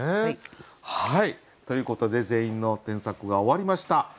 ということで全員の添削が終わりました。